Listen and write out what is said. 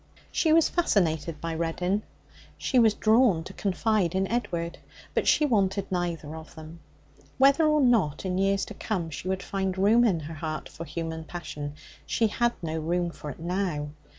She was fascinated by Reddin; she was drawn to confide in Edward; but she wanted neither of them. Whether or not in years to come she would find room in her heart for human passion, she had no room for it now.